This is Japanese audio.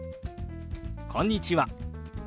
「こんにちは」。